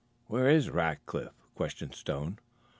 "Where is Rackliff?" questioned Stone.